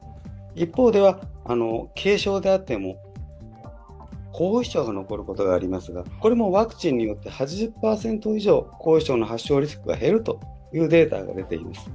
一方では、軽症であっても後遺症が残ることがありますが、これもワクチンによって８０％以上、後遺症の発症リスクが減るというデータが出ています。